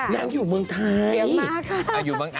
นางอยู่เมืองไทย